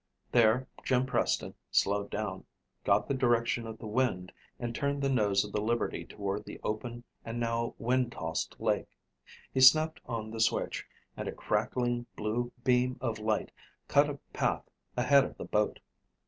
There Jim Preston slowed down, got the direction of the wind, and turned the nose of the Liberty toward the open and now wind tossed lake. He snapped on the switch and a crackling, blue beam of light cut a path ahead of the boat.